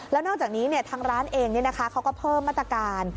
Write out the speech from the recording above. แล้วนอกจากนี้ทางร้านเองเขาก็เพิ่มมาตรการ